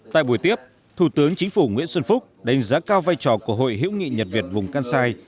tại buổi tiếp thủ tướng chính phủ nguyễn xuân phúc đánh giá cao vai trò của hội hiểu nghị nhật việt vùng cang sai